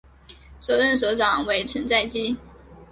首任首长为成在基。